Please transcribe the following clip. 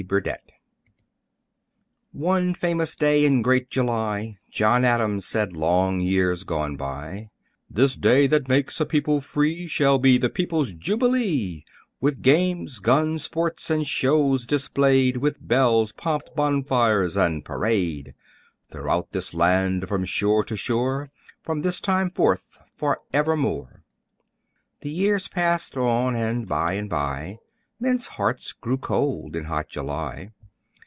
BURDETTE One famous day in great July John Adams said, long years gone by, "This day that makes a people free Shall be the people's jubilee, With games, guns, sports, and shows displayed, With bells, pomp, bonfires, and parade, Throughout this land, from shore to shore, From this time forth, forevermore." The years passed on, and by and by, Men's hearts grew cold in hot July.